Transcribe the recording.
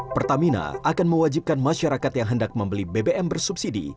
pertamina akan mewajibkan masyarakat yang hendak membeli bbm bersubsidi